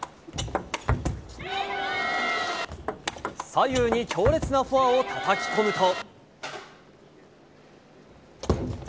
左右に強烈なフォアをたたき込むと。